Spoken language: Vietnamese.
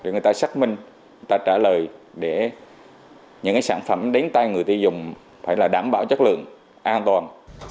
người ta xác minh người ta trả lời để những sản phẩm đến tay người tiêu dùng phải là đảm bảo chất lượng an toàn